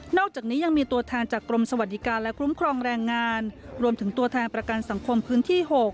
อกจากนี้ยังมีตัวแทนจากกรมสวัสดิการและคุ้มครองแรงงานรวมถึงตัวแทนประกันสังคมพื้นที่๖